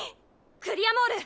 グリアモール！